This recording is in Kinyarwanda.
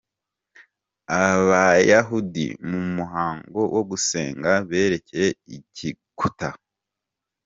Abayahudi mu muhango wo gusenga berekeye igikuta.